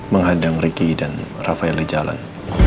menghadang riki dan rafael di jalan